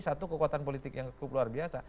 satu kekuatan politik yang cukup luar biasa